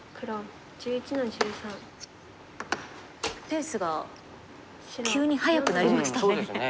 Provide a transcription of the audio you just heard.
ペースが急に早くなりましたね。